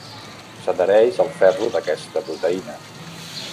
S'adhereix al ferro d'aquesta proteïna.